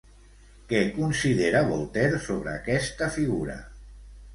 Què considera Voltaire sobre aquesta figura?